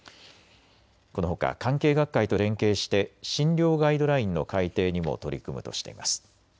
このほか関係学会と連携して診療ガイドラインの改訂にも取り組むとしています。